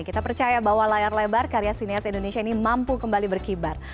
kita percaya bahwa layar lebar karya sinias indonesia ini mampu kembali berkibar